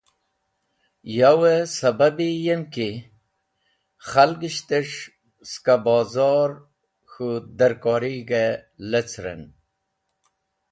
Yow-e sababi yem ki khalgishtes̃h skẽ bozor k̃hũ darkorig̃h leceren.